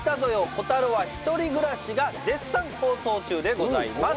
コタローは１人暮らし』が絶賛放送中でございます。